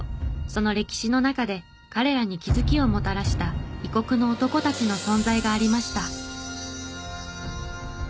その歴史の中で彼らに気づきをもたらした異国の男たちの存在がありました。